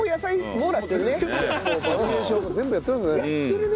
もう全部やってますね。